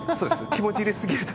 気持ち入れ過ぎると。